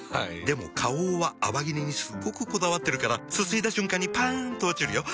でも花王は泡切れにすっごくこだわってるからすすいだ瞬間にパン！と落ちるよ。